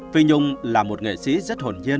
phi nhung là một nghệ sĩ rất hồn nhiên